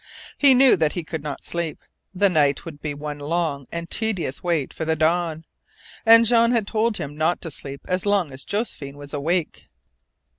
He knew that he could not sleep. The night would be one long and tedious wait for the dawn. And Jean had told him not to sleep as long as Josephine was awake!